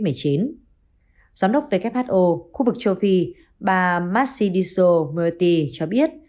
giám đốc who khu vực châu phi bà marcy dissel murthy cho biết